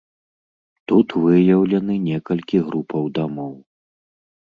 Тут выяўлены некалькі групаў дамоў.